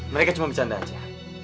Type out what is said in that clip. mereka cuma bercanda aja